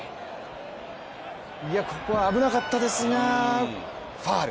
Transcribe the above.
ここは危なかったですがファウル。